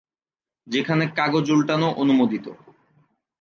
যেখানে কাগজ উল্টানো অনুমোদিত।